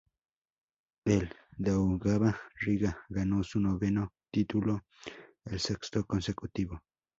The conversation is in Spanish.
El Daugava Riga ganó su noveno título, el sexto consecutivo.